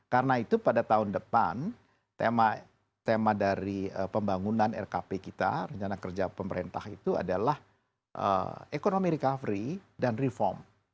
karena itu pada tahun depan tema dari pembangunan rkp kita rencana kerja pemerintah itu adalah ekonomi recovery dan reform